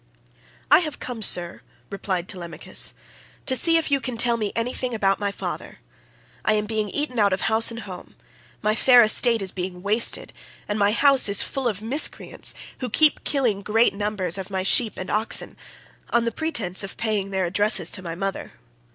"I have come, sir," replied Telemachus, "to see if you can tell me anything about my father. I am being eaten out of house and home; my fair estate is being wasted, and my house is full of miscreants who keep killing great numbers of my sheep and oxen, on the pretence of paying their addresses to my mother.